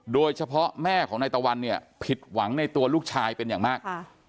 แม่ของนายตะวันเนี่ยผิดหวังในตัวลูกชายเป็นอย่างมาก